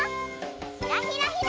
ひらひらひら！